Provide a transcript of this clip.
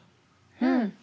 うん。